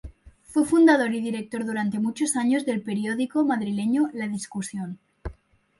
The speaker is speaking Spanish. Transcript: Fue fundador y director durante muchos años del periódico madrileño "La Discusión".